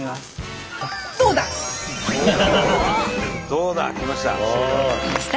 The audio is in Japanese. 「どうだ」きました。